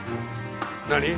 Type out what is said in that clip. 何？